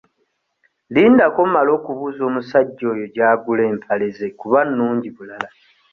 Lindako mmale okubuuza omusajja oyo gy'agula empale ze kuba nungi bulala.